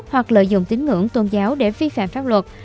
hoặc lợi dụng tín ngưỡng tôn giáo để vi phạm pháp luật